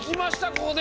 ここで！